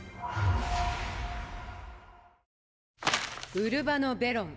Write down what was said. ウルバノ・ベロン。